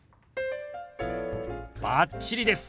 バッチリです。